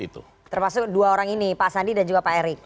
termasuk dua orang ini pak sandi dan juga pak erick